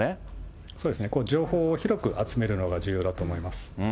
情報を広く集めるのが重要だと思います。